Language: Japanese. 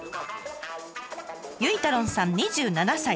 ゆいたろんさん２７歳。